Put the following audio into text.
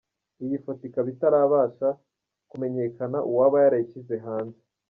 Iyi foto ikaba itarabasha kumenyekana uwaba yarayishyize hanze.